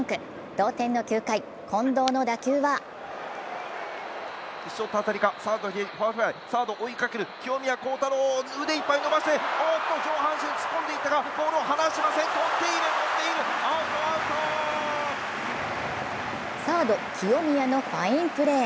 同点の９回、近藤の打球はサード・清宮のファインプレー。